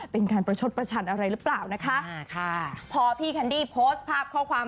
เป็นการประชดประชันอะไรหรือเปล่านะคะอ่าค่ะพอพี่แคนดี้โพสต์ภาพข้อความ